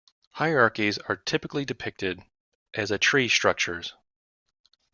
Hierarchies are typically depicted as a tree structures.